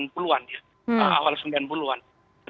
tetapi kini kita belum punya cara pandang yang sejenis ya